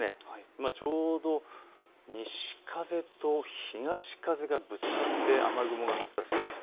今ちょうど西風と東風がぶつかって雨雲が発達しています。